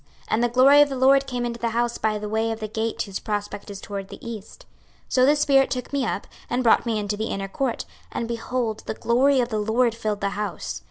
26:043:004 And the glory of the LORD came into the house by the way of the gate whose prospect is toward the east. 26:043:005 So the spirit took me up, and brought me into the inner court; and, behold, the glory of the LORD filled the house.